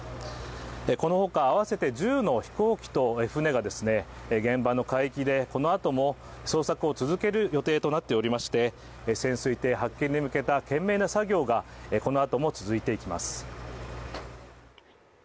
このほか合わせて１０の飛行機と船が、現場の海域でこのあとも捜索を続ける予定となっておりまして潜水艇発見に向けた懸命な作業がこのあとも続いていきます。